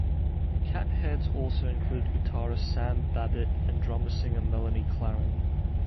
The Catheads also included guitarist Sam Babbitt and drummer-singer Melanie Clarin.